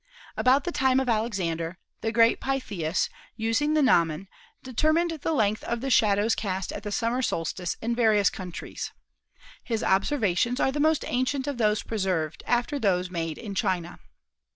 About the time of Alexander, the Great Pytheas, using the gnomon, THE SUN 93 determined the length of the shadows cast at the summer solstice in various countries. His observations are the most ancient of those preserved after those made in China.